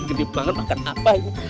gede banget makan apa